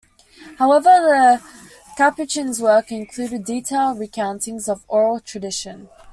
However, the Capuchin's work included detailed recountings of oral tradition.